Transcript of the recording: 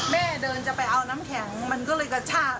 เดินจะไปเอาน้ำแข็งมันก็เลยกระชาก